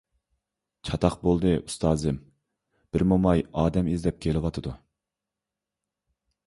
چاتاق بولدى، ئۇستازىم، بىر موماي ئادەم ئىزدەپ كېلىۋاتىدۇ!